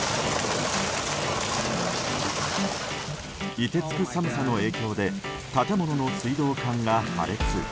凍てつく寒さの影響で建物の水道管が破裂。